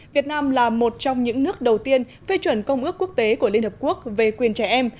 việt nam là một trong những nước đầu tiên phê chuẩn công ước quốc tế của liên hợp quốc về quyền trẻ em